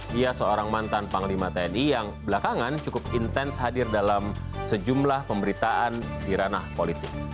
dia seorang mantan panglima tni yang belakangan cukup intens hadir dalam sejumlah pemberitaan di ranah politik